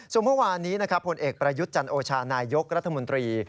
ส่วนเมื่อวานนี้นะครับผลเอกประยุทธ์จันโอชานายกรัฐมนตรี